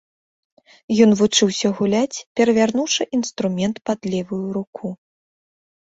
Ён вучыўся гуляць, перавярнуўшы інструмент пад левую руку.